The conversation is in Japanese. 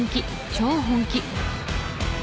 超本気！